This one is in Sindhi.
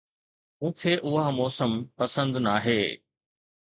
مون کي اها موسم پسند ناهي